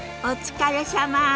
お疲れさま。